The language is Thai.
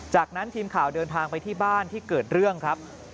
จากนั้นทีมข่าวเดินทางไปที่บ้านที่เกิดเรื่องครับ